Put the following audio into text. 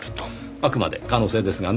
あくまで可能性ですがね。